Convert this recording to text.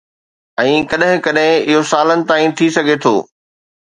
۽ ڪڏهن ڪڏهن اهو سالن تائين ٿي سگهي ٿو.